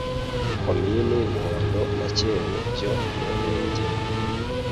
Komini Ruhondo na Cyeru byo mu Ruhengeri